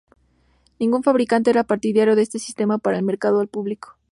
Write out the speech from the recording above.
Ningún fabricante era partidario de este sistema para el mercado al público.